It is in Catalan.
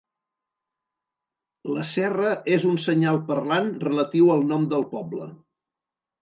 La serra és un senyal parlant relatiu al nom del poble.